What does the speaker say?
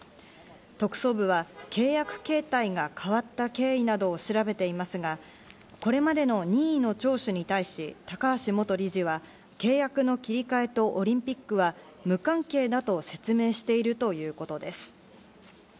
特捜部は契約形態が変わった経緯などを調べていますが、これまでの任意の聴取に対し高橋元理事は契約の切り替えとオリンピックは無関係だと説明しているということです。